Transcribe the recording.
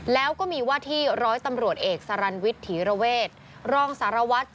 แล้วก็มีว่าที่ร้อยตำรวจเอกสารันวิทย์ถีระเวทรองสารวัตร